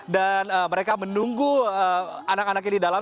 dan mereka menunggu anak anaknya di dalam